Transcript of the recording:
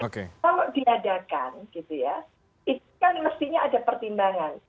kalau diadakan itu kan mestinya ada pertimbangan